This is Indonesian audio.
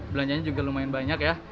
belanjanya juga lumayan banyak ya